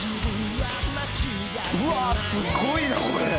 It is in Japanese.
「うわーすごいなこれ」